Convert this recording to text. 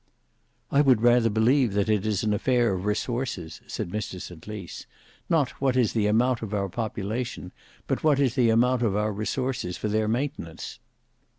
"I would rather believe that it is an affair of resources," said Mr St Lys; "not what is the amount of our population, but what is the amount of our resources for their maintenance.